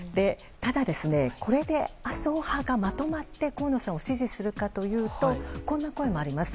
ただ、これで麻生派がまとまって河野さんを支持するかというとこんな声もあります。